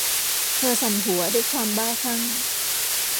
เธอสั่นหัว ด้วยความบ้าคลั่ง